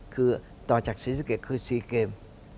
คือต่อจากศิษย์เกมคือ๔เกม